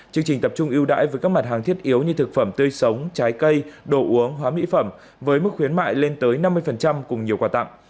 chương trình tập trung ưu đãi với các mặt hàng thiết yếu như thực phẩm tươi sống trái cây đồ uống hóa mỹ phẩm với mức khuyến mại lên tới năm mươi cùng nhiều quà tặng